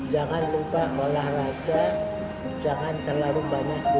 jangan lupa olahraga jangan terlalu banyak belajar